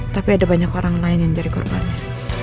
tapi ada banyak orang lain yang jadi korbannya